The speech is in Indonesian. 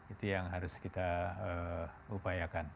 itu yang harus kita upayakan